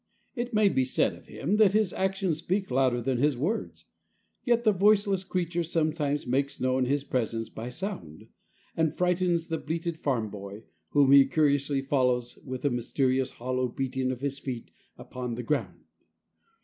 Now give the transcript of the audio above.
It may be said of him that his actions speak louder than his words. Yet the voiceless creature sometimes makes known his presence by sound, and frightens the belated farm boy, whom he curiously follows with a mysterious, hollow beating of his feet upon the ground.